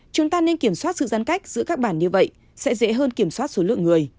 chúng ta nên kiểm soát sự giãn cách giữa các bản như vậy sẽ dễ hơn kiểm soát số lượng người